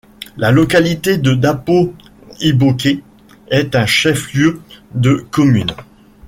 La localité de Dapo-Iboké est un chef-lieu de commune.